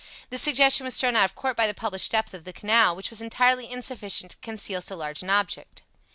This suggestion was thrown out of court by the published depth of the canal, which was entirely insufficient to conceal so large an object.